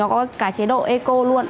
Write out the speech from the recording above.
nó có cả chế độ eco luôn